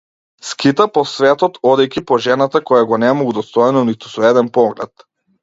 Скита по светот, одејќи по жената која го нема удостоено ниту со еден поглед.